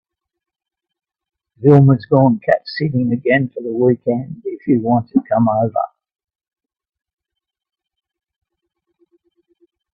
Wilma’s gone cat sitting again for the weekend if you want to come over.